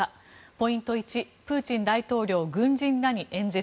ポイント１プーチン大統領、軍人らに演説。